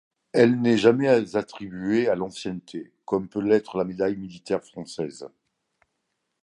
Elle n’est jamais attribuée à l’ancienneté, comme peut l’être la Médaille militaire française.